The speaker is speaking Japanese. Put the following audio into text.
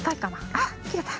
あっきれた。